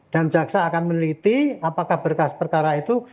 dan jaksa akan meneliti apakah berkas perkara itu